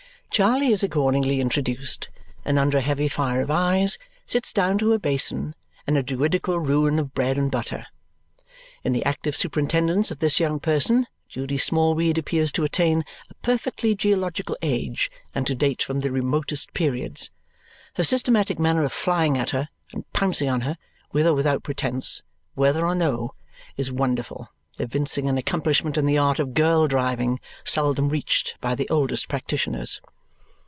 Charley is accordingly introduced, and under a heavy fire of eyes, sits down to her basin and a Druidical ruin of bread and butter. In the active superintendence of this young person, Judy Smallweed appears to attain a perfectly geological age and to date from the remotest periods. Her systematic manner of flying at her and pouncing on her, with or without pretence, whether or no, is wonderful, evincing an accomplishment in the art of girl driving seldom reached by the oldest practitioners.